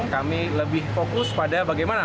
kami lebih fokus pada bagian lain